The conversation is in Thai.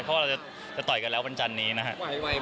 เพราะว่าเราจะต่อยกันแล้ววันจันนี้นะครับ